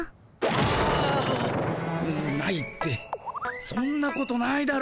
あ！なないってそんなことないだろ？